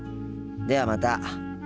ではまた。